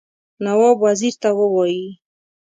نواب وزیر ته ووايي.